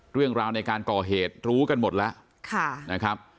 เรื่องราวในการก่อเหตุรู้กันหมดแล้วนะครับ